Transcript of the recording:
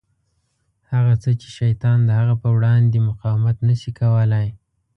هغه څه چې شیطان د هغه په وړاندې مقاومت نه شي کولای.